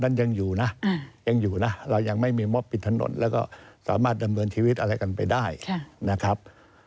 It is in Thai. ยังอยู่นะยังอยู่นะเรายังไม่มีมอบปิดถนนแล้วก็สามารถดำเนินชีวิตอะไรกันไปได้นะครับ